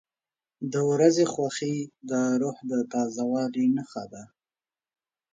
• د ورځې خوښي د روح د تازه والي نښه ده.